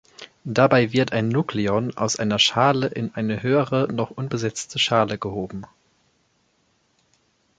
Dabei wird ein Nukleon aus einer Schale in eine höhere, noch unbesetzte Schale gehoben.